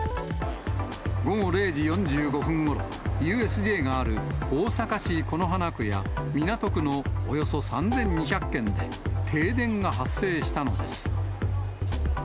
午後０時４５分ごろ、ＵＳＪがある大阪市此花区や港区のおよそ３２００軒で停電が発生したのです。